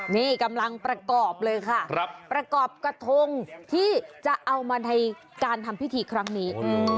นี่กำลังประกอบเลยค่ะประกอบกระทงที่จะเอามาในการทำพิธีครั้งนี้